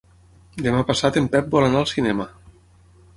Demà passat en Pep vol anar al cinema.